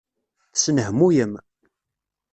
Tesnehmuyem.